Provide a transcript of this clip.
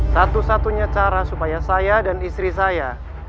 satu satunya cara supaya saya dan istri saya